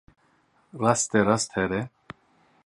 Rasterast here.